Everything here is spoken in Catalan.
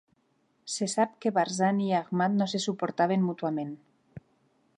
Se sap que Barzani i Ahmad no se suportaven mútuament.